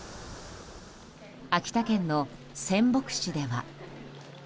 秋田県の仙北市では。